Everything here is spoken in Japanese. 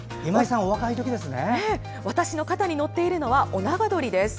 私の肩に乗っているのはオナガドリです。